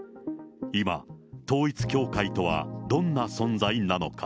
今、統一教会とはどんな存在なのか。